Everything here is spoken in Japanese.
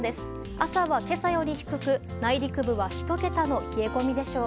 朝は今朝より低く内陸部は１桁の冷え込みでしょう。